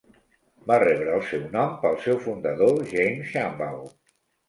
Va rebre el seu nom pel seu fundador, James Shambaugh.